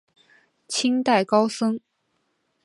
清代高僧。